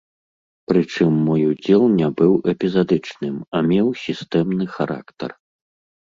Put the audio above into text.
Прычым мой удзел не быў эпізадычным, а меў сістэмны характар.